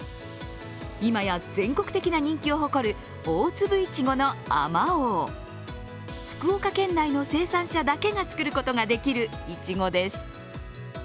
今や、全国的な人気を誇る大粒いちごの、あまおう。福岡県内の生産者だけが作ることができるいちごです。